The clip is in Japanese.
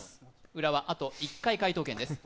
浦和、あと１回、解答権です。